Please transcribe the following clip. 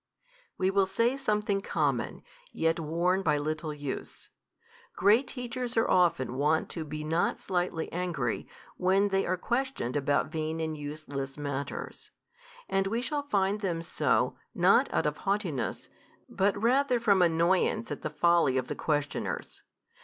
We will say something common, yet worn by little use. Great teachers are often wont to be not slightly angry, when they are questioned about vain and useless matters. And we shall find them so, not out of haughtiness, but rather from annoyance at the folly of the questioners.